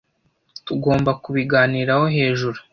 Tugomba kubiganiraho hejuru.